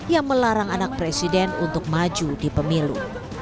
yang melarang anak presiden untuk maju di pemilu